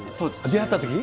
出会ったとき？